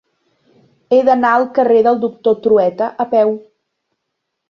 He d'anar al carrer del Doctor Trueta a peu.